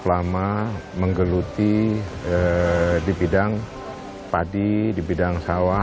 selama menggeluti di bidang padi di bidang sawah